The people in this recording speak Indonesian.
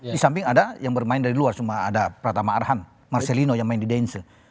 di samping ada yang bermain dari luar cuma ada pratama arhan marcelino yang main di dance